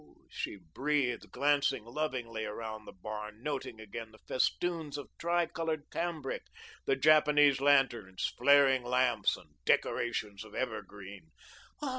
she breathed, glancing lovingly around the barn, noting again the festoons of tri coloured cambric, the Japanese lanterns, flaring lamps, and "decorations" of evergreen; "oh h!